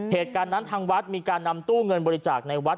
เหตุการณ์นั้นทางวัดมีการนำตู้เงินบริจาคในวัด